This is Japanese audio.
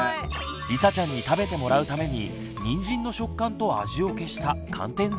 りさちゃんに食べてもらうためににんじんの食感と味を消した寒天ゼリーを作りました。